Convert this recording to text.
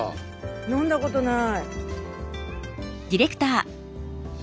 飲んだことない。